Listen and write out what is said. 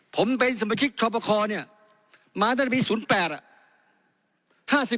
ผมเป็นสมชิกทรปคลมาตั้งแต่ปี๐๘